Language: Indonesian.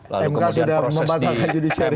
lalu kemudian proses di